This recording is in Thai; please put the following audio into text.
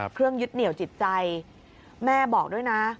เครื่องยึดเหนียวจิตใจแม่บอกด้วยนะ